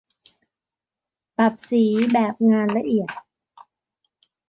ปรับสีแบบงานละเอียด